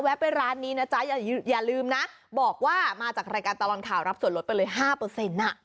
ไปร้านนี้นะจ๊ะอย่าลืมนะบอกว่ามาจากรายการตลอดข่าวรับส่วนลดไปเลย๕อ่ะ